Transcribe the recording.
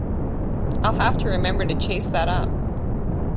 I’ll have to remember to chase that up.